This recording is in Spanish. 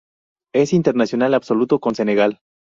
Es internacional absoluto con Senegal.